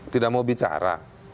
tidak mau bicara